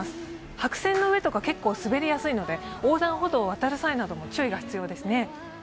白線の上とか結構滑りやすいので横断歩道を渡る際も注意が必要ですね。